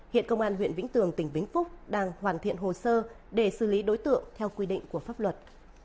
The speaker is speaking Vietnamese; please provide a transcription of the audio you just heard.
hiện công an huyện vĩnh tường tỉnh vĩnh phúc đang hoàn thiện hồ sơ để xử lý đối tượng theo quy định của pháp luật